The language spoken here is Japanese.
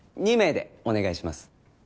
２名でお願いします。